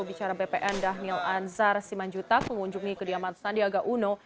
bicara bpn dhanil anzar simanjuta pengunjungi kediaman sandiaga uno